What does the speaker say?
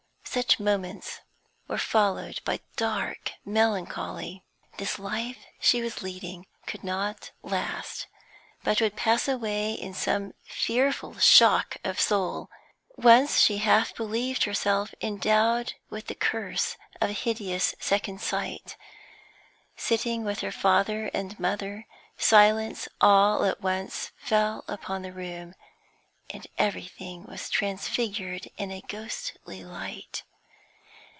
Such moments were followed by dark melancholy. This life she was leading could not last, but would pass away in some fearful shock of soul. Once she half believed herself endowed with the curse of a hideous second sight. Sitting with her father and mother, silence all at once fell upon the room, and everything was transfigured in a ghostly light.